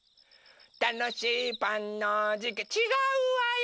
たのしいパンのじかちがうわよ！